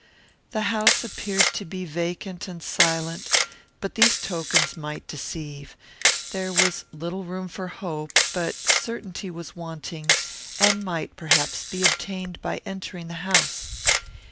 The house appeared to be vacant and silent; but these tokens might deceive. There was little room for hope; but certainty was wanting, and might, perhaps, be obtained by entering the house.